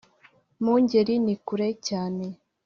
mu ngeri ni kure cyane